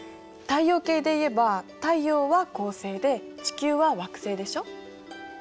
太陽系でいえば太陽は恒星で地球は惑星でしょ。